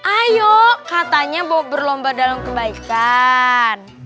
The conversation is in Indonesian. ayo katanya mau berlomba dalam kebaikan